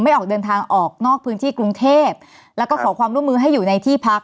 ออกเดินทางออกนอกพื้นที่กรุงเทพแล้วก็ขอความร่วมมือให้อยู่ในที่พัก